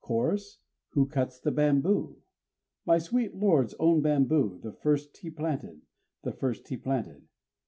(Chorus) Who cuts the bamboo? My sweet lord's own bamboo, the first he planted, _The first be planted?